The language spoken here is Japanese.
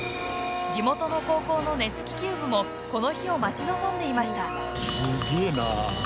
地元の高校の熱気球部もこの日を待ち望んでいました。